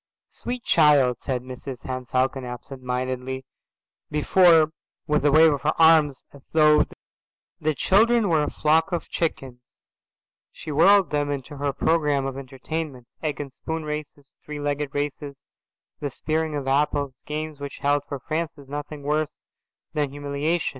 "Sweet child," said Mrs Henne Falcon absent mindedly, before, with a wave of her arms, as though the children were a flock of chickens, she whirled them into her set programme of entertainments: egg and spoon races, three legged races, the spearing of apples, games which held for Francis nothing worse than humiliation.